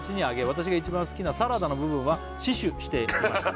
「私が一番好きなサラダの部分は死守していました」